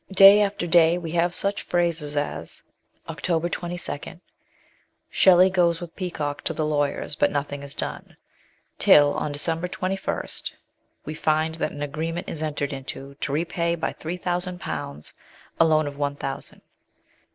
Day after day we have such phrases as (October 22) " Shelley goes with Peacock to the lawyers, but nothing is done/' till on December 21 we find that an agreement is entered into to repay by three thousand pounds a loan of one thousand.